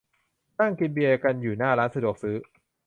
นั่งกินเบียร์กันอยู่หน้าร้านสะดวกซื้อ